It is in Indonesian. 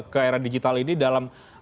ke era digital ini dalam